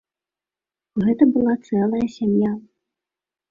Гэта была цэлая сям'я.